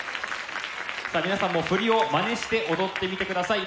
さあ皆さんも振りをまねして踊ってみてください。